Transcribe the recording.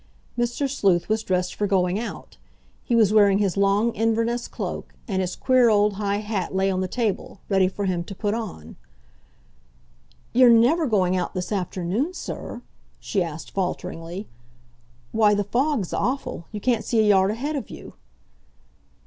Mr. Sleuth was dressed for going out. He was wearing his long Inverness cloak, and his queer old high hat lay on the table, ready for him to put on. "You're never going out this afternoon, sir?" she asked falteringly. "Why, the fog's awful; you can't see a yard ahead of you!"